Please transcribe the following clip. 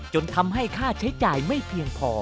จนทำให้ค่าใช้จ่ายไม่เพียงพอ